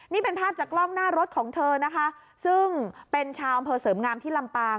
นี่เป็นภาพจากกล้องหน้ารถของเธอนะคะซึ่งเป็นชาวอำเภอเสริมงามที่ลำปาง